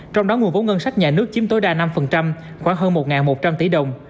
trong đó nguồn vốn ngân sách nhà nước chiếm tối đa năm khoảng hơn một một trăm linh tỷ đồng